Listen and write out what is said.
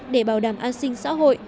để bảo đảm an sinh xã hội